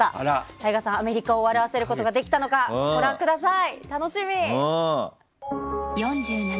ＴＡＩＧＡさんはアメリカを笑わせることができたのかご覧ください。